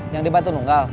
yang di batu nunggal